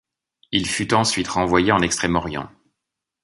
Il fut ensuite renvoyé en Extrême-Orient.